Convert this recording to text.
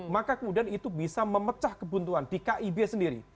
maka kemudian itu bisa memecah kebuntuan di kib sendiri